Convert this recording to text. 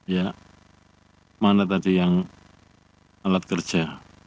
ya mana tadi yang alat kerja